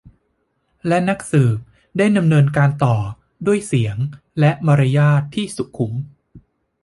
และนักสืบได้ดำเนินการต่อด้วยเสียงและมารยาทที่สุขุม